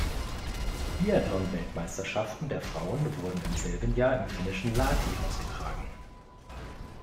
Biathlon-Weltmeisterschaften der Frauen wurden im selben Jahr im finnischen Lahti ausgetragen.